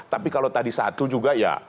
tapi kalau tadi satu juga ya